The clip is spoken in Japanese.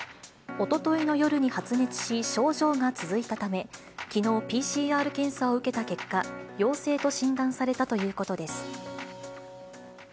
おとといの夜に発熱し、症状が続いたため、きのう、ＰＣＲ検査を受けた結果、陽性と診断されたということです。